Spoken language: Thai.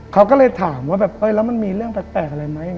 เขาก็เลยถามว่าแบบแล้วมันมีเรื่องแปลกอะไรไหม